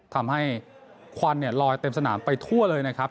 ควันลอยเต็มสนามไปทั่วเลยนะครับ